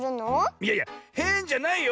いやいやへんじゃないよ。